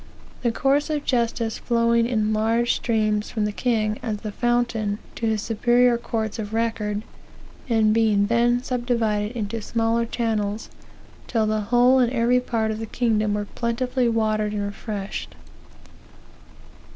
The course of justice flowing in large streams from the king, as the fountain, to his superior courts of record; and being then subdivided into smaller channels, till the whole and every part of the kingdom were plentifully watered and refreshed.